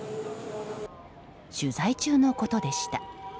取材中のことでした。